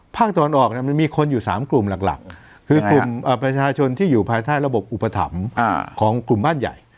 ภาคตะวันออกมันมีคนอยู่๓กลุ่มหลักคือกลุ่มประชาชนที่อยู่ภายใต้ระบบอุปถัมภ์ของกลุ่มบ้านใหญ่